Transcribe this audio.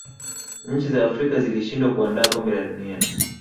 nchi za Afrika zilishindwa kuandaa kombe la dunia